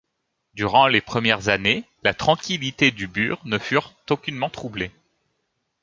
Durant les premières années, la tranquillité du burg ne fut aucunement troublée.